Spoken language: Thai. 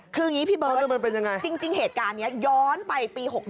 คืออย่างนี้พี่เบิร์ตจริงเหตุการณ์นี้ย้อนไปปี๖๑